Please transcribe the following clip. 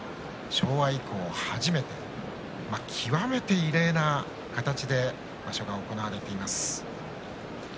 昭和以降初めて極めて異例な形で場所が行われています。